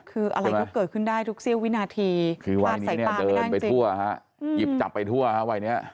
คืออะไรก็เกิดขึ้นได้ทุกเซียววินาทีพลาดสายตาไม่ได้จริงคือวัยนี้เนี่ยเดินไปทั่วหยิบจับไปทั่ววัยเนี้ย